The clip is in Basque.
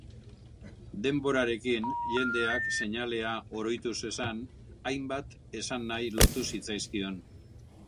Denborarekin jendeak seinalea oroitu zezan hainbat esanahi lotu zitzaizkion.